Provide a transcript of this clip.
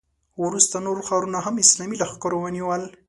وروسته نور ښارونه هم اسلامي لښکرو ونیول.